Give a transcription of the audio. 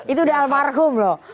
itu udah almarhum loh